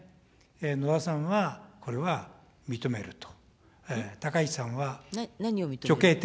野田さんはこれは認めると。